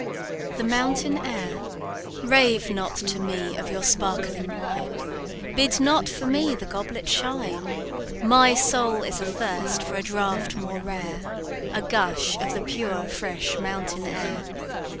The Mountain Air. "Rave not to me of your sparkling wine; Bid not for me the goblet shine; My soul is athirst for a draught more rare, A gush of the pure, fresh mountain air!